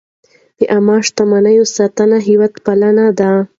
د عامه شتمنیو ساتنه هېوادپالنه ده.